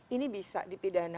ini bisa dipindahkan